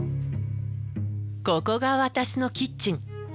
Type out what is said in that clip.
ここが私のキッチン。